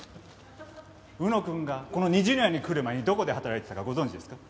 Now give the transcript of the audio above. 浮野くんがこの虹の屋に来る前にどこで働いてたかご存じですか？